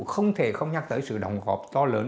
không thể không nhắc tới sự đồng hộp to lớn